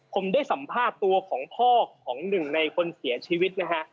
ผมได้สัมภาษณ์ตัวของพ่อของหนึ่งในคนเสียชีวิตนะฮะ